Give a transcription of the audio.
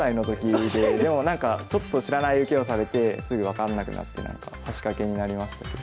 でもなんかちょっと知らない受けをされてすぐ分かんなくなって指し掛けになりましたけど。